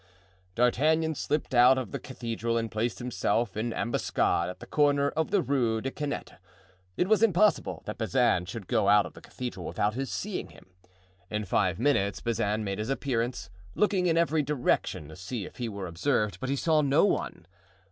D'Artagnan slipped out of the cathedral and placed himself in ambuscade at the corner of the Rue des Canettes; it was impossible that Bazin should go out of the cathedral without his seeing him. In five minutes Bazin made his appearance, looking in every direction to see if he were observed, but he saw no one.